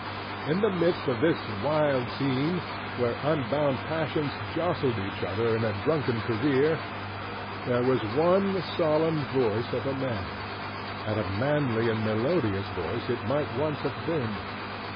In the midst of this wild scene, where unbound passions jostled each other in a drunken career, there was one solemn voice of a man, and a manly and melodious voice it might once have been.